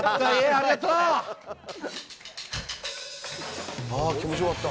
ああ、気持ちよかった。